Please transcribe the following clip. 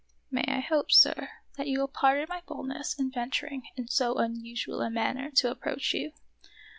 " May I hope, sir, that you will pardon my boldness in venturing in so unusual a manner to approach you